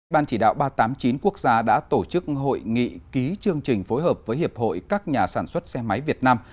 ban chỉ đạo ba trăm tám mươi chín quốc gia đã tổ chức hội nghị ký chương trình phối hợp với hiệp hội các nhà sản xuất xe máy việt nam